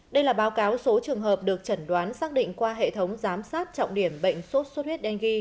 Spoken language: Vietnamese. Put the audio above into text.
đây là báo cáo số trường hợp được chẩn đoán xác định qua hệ thống giám sát trọng điểm bệnh sốt sốt huyết